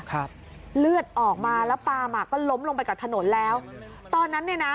ครับเลือดออกมาแล้วปาล์มอ่ะก็ล้มลงไปกับถนนแล้วตอนนั้นเนี่ยนะ